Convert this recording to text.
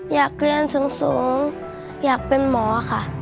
อยากเรียนสูงอยากเป็นหมอค่ะ